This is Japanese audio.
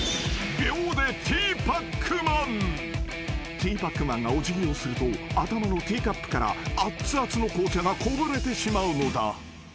［ティーパックマンがお辞儀をすると頭のティーカップからあつあつの紅茶がこぼれてしまうのだ］